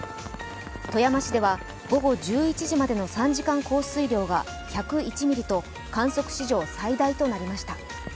富山市では、午後１１時までの３時間降水量が１０１ミリと観測史上最大となりました。